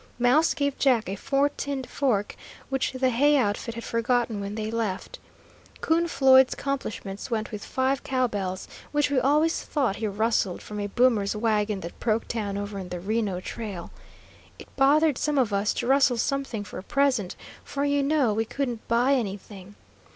Mouse gave Jack a four tined fork which the hay outfit had forgotten when they left. Coon Floyd's compliments went with five cow bells, which we always thought he rustled from a boomer's wagon that broke down over on the Reno trail. It bothered some of us to rustle something for a present, for you know we couldn't buy anything.